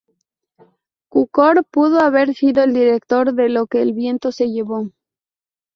Cukor pudo haber sido el director de "Lo que el viento se llevó".